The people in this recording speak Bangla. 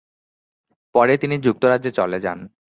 পরে তিনি যুক্তরাজ্যে চলে যান।